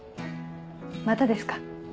またですか？